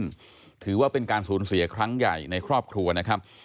ซึ่งถือว่าเป็นการสูญเสียครั้งใหญ่ในครอบครัวนะครับ